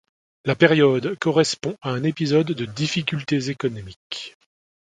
La période correspond à un épisode de difficultés économiques.